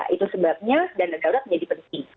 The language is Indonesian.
itu sebabnya dana darurat menjadi penting